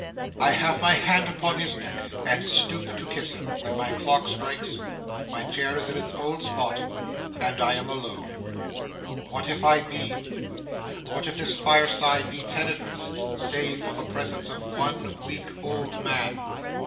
I have my hand upon his neck, and stoop to kiss him, when my clock strikes, my chair is in its old spot, and I am alone. What if I be? What if this fireside be tenantless, save for the presence of one weak old man?